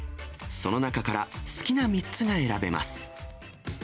その中から好きな３つが選べます。